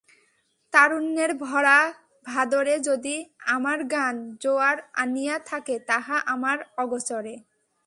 তারুণ্যের ভরা-ভাদরে যদি আমার গান জোয়ার আনিয়া থাকে তাহা আমার অগোচরে।